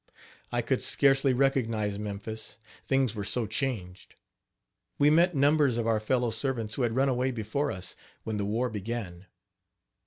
I could scarcely recognize Memphis, things were so changed. We met numbers of our fellow servants who had run away before us, when the war began.